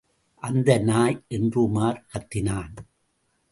அந்த நாய்! என்று உமார் கத்தினான்.